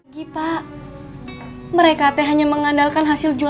gif plus competition hadir kembali